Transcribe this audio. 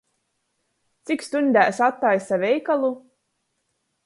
Cik stuņdēs attaisa veikalu?